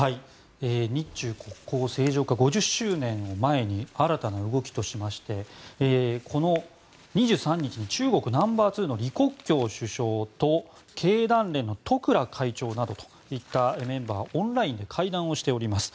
日中国交正常化５０周年を前に新たな動きとしまして２３日に中国ナンバーツーの李克強首相と経団連の十倉会長などといったメンバーがオンラインで会談しています。